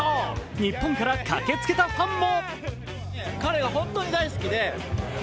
日本から駆けつけたファンも。